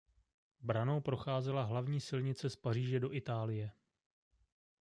Branou procházela hlavní silnice z Paříže do Itálie.